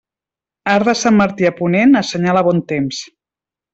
Arc de Sant Martí a ponent assenyala bon temps.